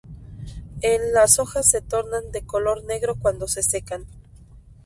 El Las hojas se tornan de color negro cuando se secan.